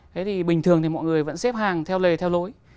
thế thì bình thường thì mọi người vẫn xếp hàng theo lề theo lối